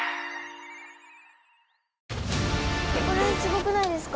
これすごくないですか？